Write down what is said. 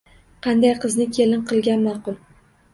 Qanday qizni kelin qilgan ma`qul